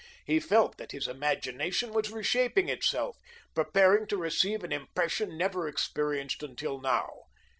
He felt that his imagination was reshaping itself, preparing to receive an impression never experienced until now.